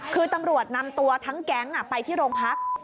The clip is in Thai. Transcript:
คือตำรวจนำตัวทั้งแก๊งไปที่โรงพัก